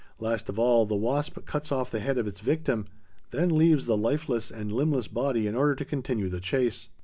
Last of all, the wasp cuts off the head of its victim, then leaves the lifeless and limbless body in order to continue the chase.